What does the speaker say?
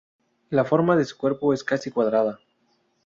La forma de su cuerpo es casi cuadrada.